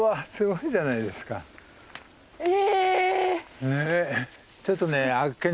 え！